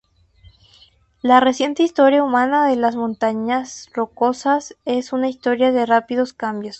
La reciente historia humana de las Montañas Rocosas es una historia de rápidos cambios.